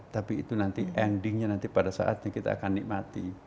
tapi itu nanti endingnya nanti pada saatnya kita akan nikmati